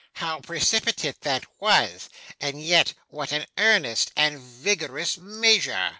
'How precipitate that was, and yet what an earnest and vigorous measure!